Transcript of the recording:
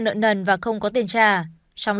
nợ nần và không có tiền trả trong